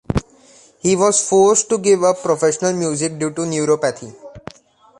He was forced to give up professional music due to a neuropathy.